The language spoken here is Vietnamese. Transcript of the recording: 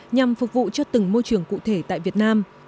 nhằm phục vụ cho từng môi trường cụ thể tại việt nam